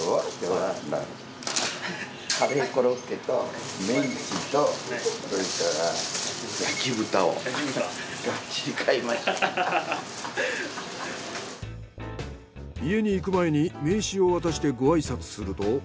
家に行く前に名刺を渡してご挨拶すると。